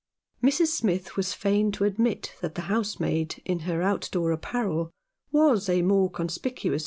Mrs. Smith was fain to admit that the house maid in her outdoor apparel was a more conspicuous 204 Chums.